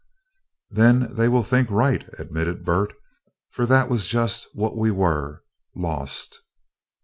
"Then they will think right," admitted Bert, "for that was just what we were, lost."